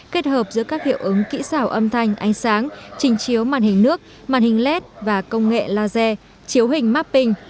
kết hợp giữa các hiệu ứng kỹ xảo âm thanh ánh sáng trình chiếu màn hình nước màn hình led và công nghệ laser chiếu hình mapping